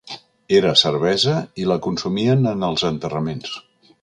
Era cervesa i la consumien en els enterraments.